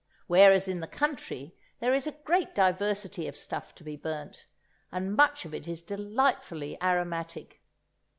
Whereas in the country there is a great diversity of stuff to be burnt, and much of it is delightfully aromatic.